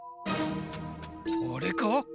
あれか？